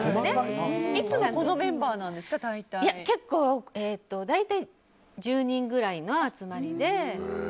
いつもこのメンバーなんですか大体１０人ぐらいの集まりで。